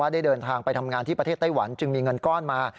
ได้เดินทางไปทำงานที่ประเทศไต้หวันจึงมีเงินก้อนมา